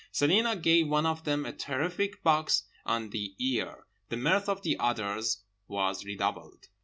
Celina gave one of them a terrific box on the ear. The mirth of the others was redoubled.